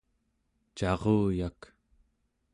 caruyak